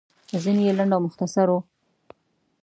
ځينې يې لنډ او مختصر وو.